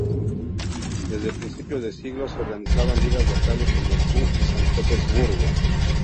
Desde principios de siglo se organizaban ligas locales en Moscú y San Petersburgo.